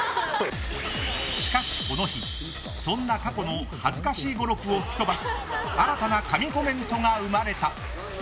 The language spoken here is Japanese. しかし、この日そんな過去の恥ずかしい語録を吹き飛ばす新たな神コメントが生まれた。